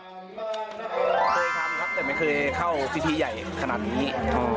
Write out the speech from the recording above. เคยทำครับแต่ไม่เคยเข้าพิธีใหญ่ขนาดนี้